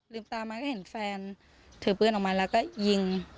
ตามาก็เห็นแฟนถือปืนออกมาแล้วก็ยิง